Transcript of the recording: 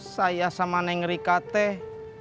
saya sama neng rika teh